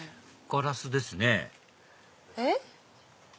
ガラスですねえっ？